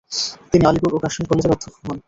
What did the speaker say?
তিনি আলিগড় ও কাশ্মীর কলেজের অধ্যক্ষ হন।